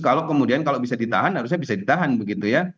kalau kemudian kalau bisa ditahan harusnya bisa ditahan begitu ya